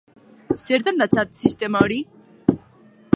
Zertan datza sistema hori?